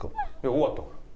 終わったから。